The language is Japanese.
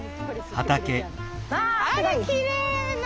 あらっきれいな。